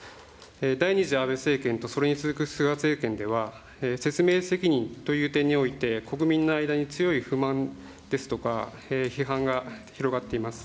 第２次安倍政権と、それに続く菅政権では、説明責任という点において、国民の間に強い不満ですとか、批判が広がっています。